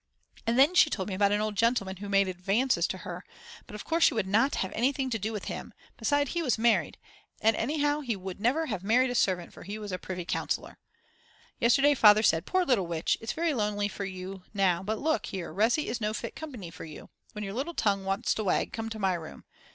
And then she told me about an old gentleman who made advances to her; but of course she would not have anything to do with him; besides he was married, and anyhow he would never have married a servant for he was a privy councillor. Yesterday Father said: Poor little witch, it's very lonely for you now; but look here, Resi is no fit company for you; when your little tongue wants to wag, come to my room.